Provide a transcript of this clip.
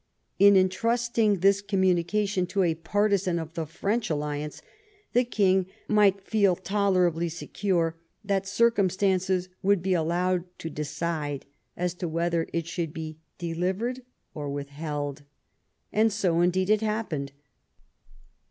In entrusting this communication to a partisan of the French alliance the King might feel tolerably secure that circumstances would be allowed to decide as to whether it should be delivered or withheld. So, indeed, it happened.